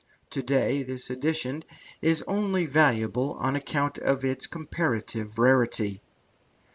To day this edition is only valuable on account of its comparative rarity.